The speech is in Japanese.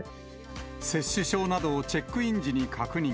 接種証などをチェックイン時に確認。